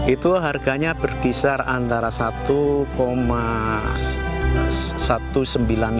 itu harganya berkisar antara rp satu satu ratus sembilan puluh lima